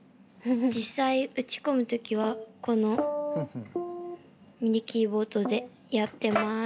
実際打ち込む時はこのＭＩＤＩキーボードでやってます。